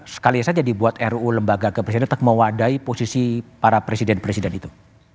sekali saja dibuat ruu lembaga kepresidenan tetap mewadai posisi para presiden presiden itu